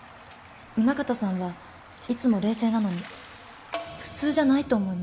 宗形さんはいつも冷静なのに普通じゃないと思いました。